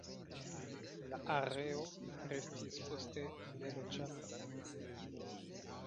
La areo restis poste neloĝata.